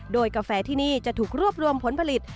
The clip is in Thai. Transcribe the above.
โดยกาแฟที่นี่จะถูกรวบรวมผลผลิต